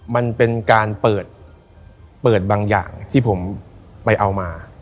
มันเป็นการเปิดบางอย่างที่ผมไปเอามา